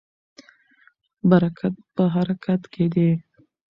برکت په حرکت کې دی.